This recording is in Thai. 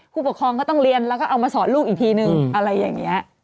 ผู้ปกครองก็ต้องเรียนแล้วก็เอามาสอนลูกอีกทีนึงอะไรอย่างนี้